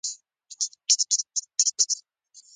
له انسانیته خلاص یې .